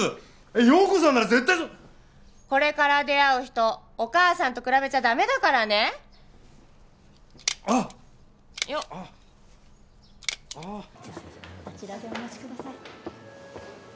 陽子さんなら絶対これから出会う人お母さんと比べちゃダメだからねあっああよっあちらでお待ちください